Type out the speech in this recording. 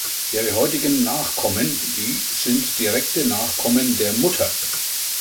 Ihre heutigen Nachkommen Die sind direkte Nachkommen der Mutter.